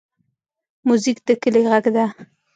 موزیک د کلي غږ دی.